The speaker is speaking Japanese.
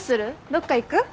どっか行く？